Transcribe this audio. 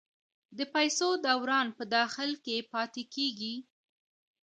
د پیسو دوران په داخل کې پاتې کیږي؟